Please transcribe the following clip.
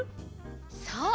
そう。